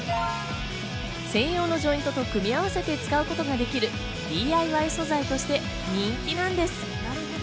専用のジョイントと組み合わせて使うことができるＤＩＹ素材として人気なんです。